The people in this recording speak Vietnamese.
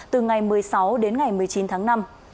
từ ngày một mươi sáu đến ngày một mươi chín tháng năm